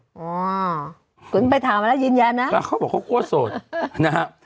อ้าวคุณไปถามแล้วยินยันนะเขาบอกว่าโคตรโสดนะฮะ